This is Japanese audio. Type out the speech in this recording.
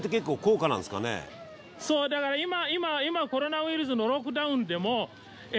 そうだから今コロナウイルスのロックダウンでも。